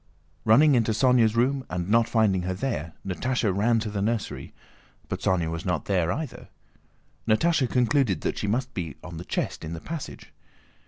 Running into Sónya's room and not finding her there, Natásha ran to the nursery, but Sónya was not there either. Natásha concluded that she must be on the chest in the passage.